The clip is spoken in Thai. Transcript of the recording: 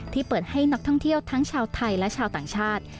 เปิดให้นักท่องเที่ยวทั้งชาวไทยและชาวต่างชาติ